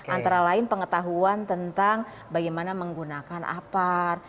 antara lain pengetahuan tentang bagaimana menggunakan apar